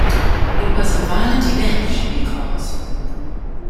"It was a violent event" she recalls.